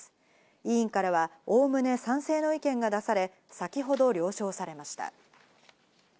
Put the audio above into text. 委員からはおおむね賛成の意見が出され、先ほど了承されました。